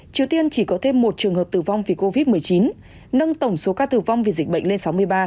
triều tiên chỉ có thêm một trường hợp tử vong vì covid một mươi chín nâng tổng số ca tử vong vì dịch bệnh lên sáu mươi ba